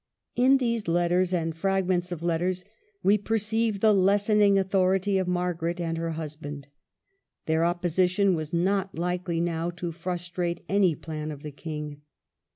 In these letters and fragments of letters we perceive the lessened authorit}^ of Margaret and her husband. Their opposition was not likely, now, to frustrate any plan of the King.